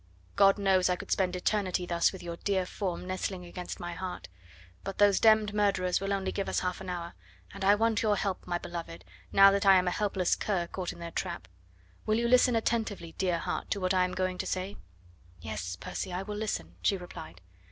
God knows I could spend eternity thus with your dear form nestling against my heart. But those d d murderers will only give us half an hour, and I want your help, my beloved, now that I am a helpless cur caught in their trap. Will you listen attentively, dear heart, to what I am going to say? "Yes, Percy, I will listen," she replied.